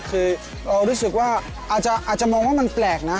คือเรารู้สึกว่าอาจจะมองว่ามันแปลกนะ